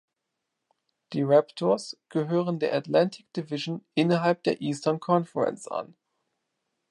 Die Raptors gehören der Atlantic Division innerhalb der Eastern Conference an.